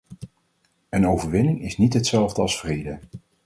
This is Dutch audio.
Een overwinning is niet hetzelfde als vrede.